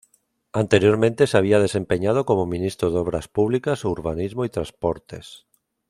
Anteriormente se había desempeñado como Ministro de Obras Públicas, Urbanismo y Transportes.